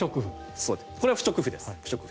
これは不織布です。